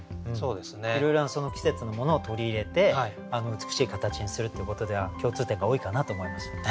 いろいろなその季節のものを取り入れて美しい形にするっていうことでは共通点が多いかなと思いますよね。